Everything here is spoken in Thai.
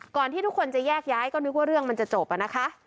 ที่ทุกคนจะแยกย้ายก็นึกว่าเรื่องมันจะจบอะนะคะ